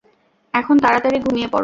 এখন তারাতাড়ি ঘুমিয়ে পড়ো।